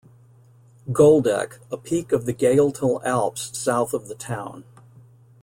Goldeck, a peak of the Gailtal Alps south of the town.